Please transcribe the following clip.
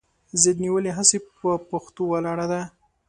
ضد نیولې هسې پهٔ پښتو ولاړه ده